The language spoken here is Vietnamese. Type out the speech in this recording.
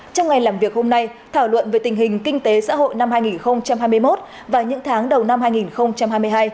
trong ngày làm việc hôm nay thảo luận về tình hình kinh tế xã hội năm hai nghìn hai mươi một và những tháng đầu năm hai nghìn hai mươi hai